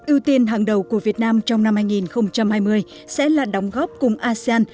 ưu tiên hàng đầu của việt nam trong năm hai nghìn hai mươi sẽ là đóng góp cùng asean